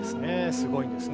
すごいんですね。